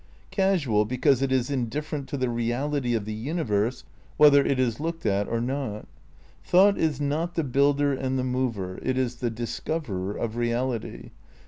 Casual because it is indif ferent to the reality of the universe whether it is looked on at or not. Thought is not the builder and the mover, it is the discoverer of reality.